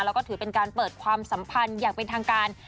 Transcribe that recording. แล้วก็ถือเป็นการเปิดความสัมพันธ์อย่างเป็นทางการ